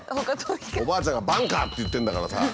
おばあちゃんが「バンカー」って言ってるんだからさ。